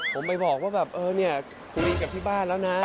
ผมไปบอกว่าแบบเออเนี่ยคุยกับที่บ้านแล้วนะ